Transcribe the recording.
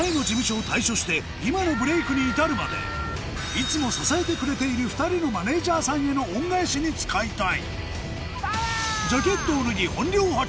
いつも支えてくれている２人のマネジャーさんへの恩返しに使いたいジャケットを脱ぎ